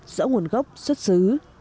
rõ nguồn gốc xuất xứ